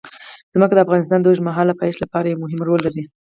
ځمکه د افغانستان د اوږدمهاله پایښت لپاره یو مهم رول لري.